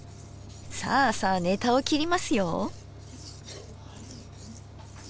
さあさあネタを切りますよ。